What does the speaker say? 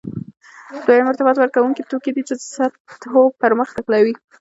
دویم ارتباط ورکوونکي توکي دي چې د سطحو پرمخ نښلوي.